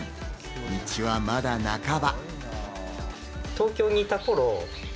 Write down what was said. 道はまだ半ば。